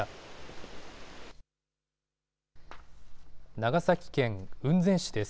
長崎県雲仙市です。